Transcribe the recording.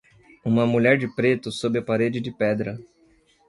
Uma mulher de preto sobe a parede de pedra.